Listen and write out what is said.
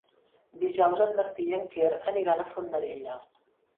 Dijous en Martí i en Quer aniran a Fondarella.